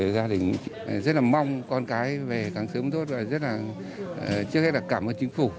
gia đình rất là mong con cái về càng sớm tốt và rất là trước hết là cảm ơn chính phủ